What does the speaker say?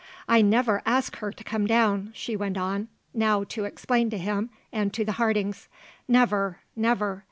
"I never ask her to come down," she went on now to explain to him and to the Hardings. "Never, never.